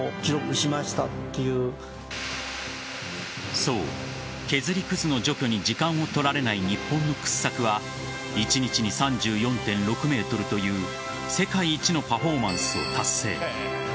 そう、削りくずの除去に時間を取られない日本の掘削は１日に３４．６ｍという世界一のパフォーマンスを達成。